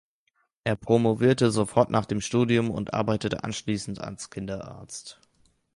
Er promovierte sofort nach dem Studium und arbeitete anschließend als Kinderarzt.